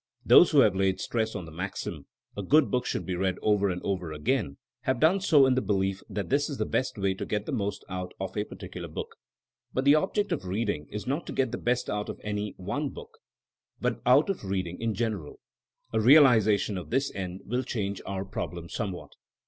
Those who have laid stress on the maxim, A good book should be read over and over again, have done so in the belief that this is the best way to get the most out of a particular book. But the object of read ing is not to get the best out of any one book, THINEINO AS A SCIENCE 141 but out of reading in general. A realization of this end will change our problem somewhat.